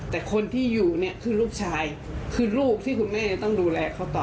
แต่คนที่อยู่เนี่ยคือลูกชายคือลูกที่คุณแม่จะต้องดูแลเขาต่อ